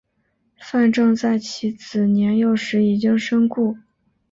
范正在其子年幼时已经身故。